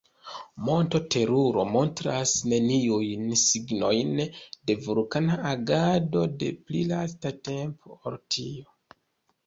Monto Teruro montras neniujn signojn de vulkana agado de pli lasta tempo ol tio.